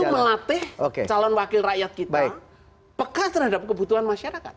karena itu melatih calon wakil rakyat kita peka terhadap kebutuhan masyarakat